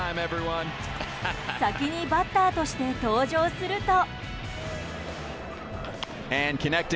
先にバッターとして登場すると。